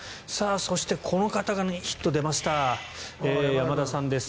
そして、この方がヒット出ました山田さんです。